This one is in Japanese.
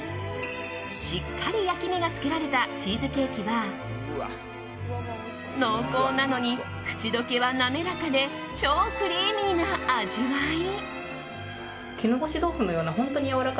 しっかり焼き目がつけられたチーズケーキは濃厚なのに口溶けは滑らかで超クリーミーな味わい。